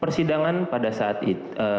persidangan pada saat itu